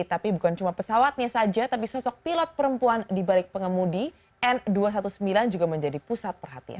tapi bukan cuma pesawatnya saja tapi sosok pilot perempuan di balik pengemudi n dua ratus sembilan belas juga menjadi pusat perhatian